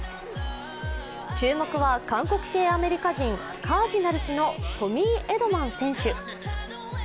注目は、韓国系アメリカ人、カージナルスのトミー・エドマン選手。